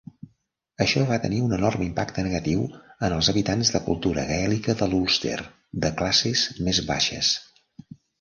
Això va tenir un enorme impacte negatiu en els habitants de cultura gaèlica de l'Ulster de classes més baixes.